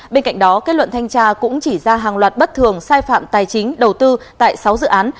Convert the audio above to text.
bên cạnh đó kết luận thanh tra cũng chỉ ra hàng loạt bất thường sai phạm tài chính đầu tư tại sáu dự án